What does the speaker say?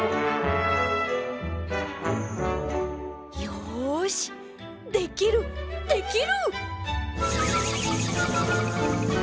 よしできるできる！